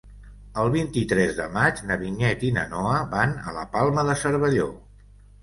El vint-i-tres de maig na Vinyet i na Noa van a la Palma de Cervelló.